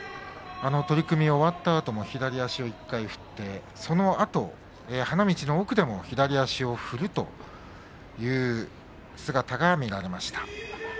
あの取組が終わったあとも左足を１回振ってそのあと花道の奥でも左足を振るという姿が見られました。